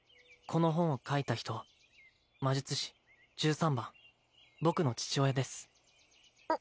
この本を書いた人魔術師十三番僕の父親です